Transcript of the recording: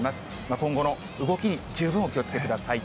今後の動きに十分お気をつけください。